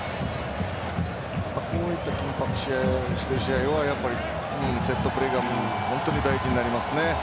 こういった緊迫した試合はやっぱりセットプレーが本当に大事になりますね。